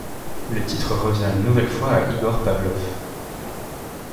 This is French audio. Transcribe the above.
Le titre revient une nouvelle fois à Igor Pavlov.